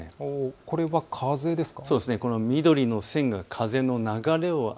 これは風ですか。